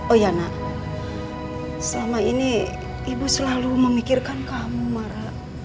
oh ya nak selama ini ibu selalu memikirkan kamu marah